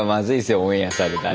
オンエアされたら。